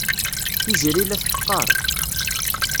Tiziri la t-teqqar.